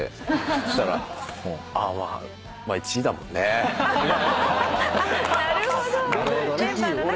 そしたら「あっまあ１位だもんね」なるほどメンバーの中で。